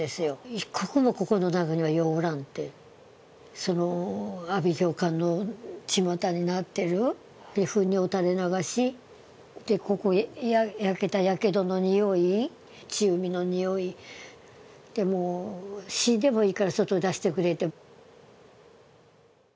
一刻もここの中にはようおらんって、その阿鼻叫喚のちまたになっている、ふん尿垂れ流し、やけどの焼けたにおい、血うみのにおい、死んでもいいから外に出してくれって。